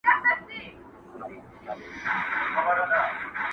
که په خوب دي جنت و نه لید بیا وایه,